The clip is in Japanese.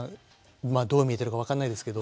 まあどう見えてるか分かんないですけど。